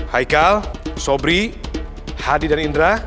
hai kal sobri hadi dan indra